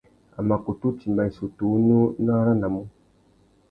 A mà kutu timba issutu unú nù aranamú.